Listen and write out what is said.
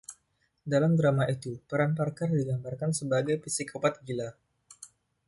Dalam drama itu, peran Parker digambarkan sebagai "psikopat gila".